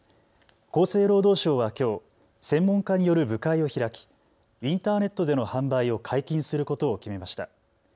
厚生労働省はきょう専門家による部会を開きインターネットでの販売を解禁することを決めました。